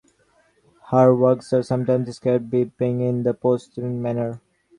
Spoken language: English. Her works are sometimes described as being painted in a post-impressionist manner.